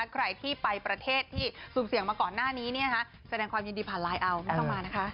ใครที่ไปประเทศที่สุ่มเสี่ยงมาก่อนหน้านี้แสดงความยินดีผ่านไลน์เอาไม่ต้องมานะคะ